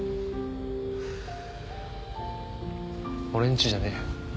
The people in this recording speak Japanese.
俺んちじゃねえよ。